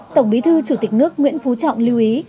tổng bí thư chủ tịch nước nguyễn phú trọng lưu ý